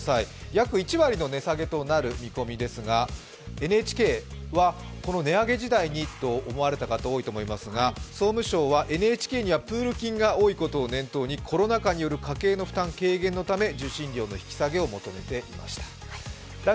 約１割の値下げとなる見込みですがＮＨＫはこの値上げ時代にと思われた方が多いと思いますが総務省はＮＨＫにはプール金が多いことを念頭にコロナ禍による家計の負担軽減のため受信料の引き下げを求めていました。